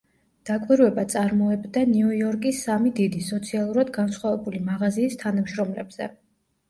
დაკვირვება წარმოებდა ნიუ-იორკის სამი დიდი, სოციალურად განსხვავებული მაღაზიის თანამშრომლებზე.